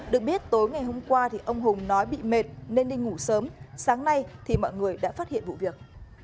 được biết tối ngày hôm qua thì ông hùng nói bị mệt nên đi ngủ sớm sáng nay thì mọi người đã phát hiện vụ việc